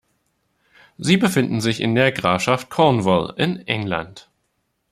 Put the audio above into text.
Sie befinden sich in der Grafschaft Cornwall in England.